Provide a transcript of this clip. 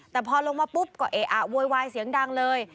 แต่พอลงมาปุ๊บก็เอะอะโวยวายเสียงดังเลย